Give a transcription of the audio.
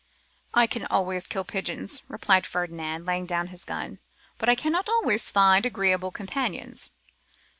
'I can always kill partridges,' replied Ferdinand, laying down his gun; 'but I cannot always find agreeable companions.